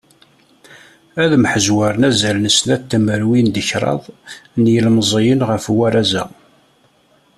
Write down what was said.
Ad mḥezwaren azal n snat tmerwin d kraḍ, n yilmeẓyen ɣef warraz-a.